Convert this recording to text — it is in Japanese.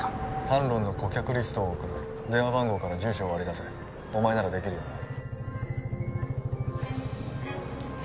タンロンの顧客リストを送る電話番号から住所を割り出せお前ならできるよな？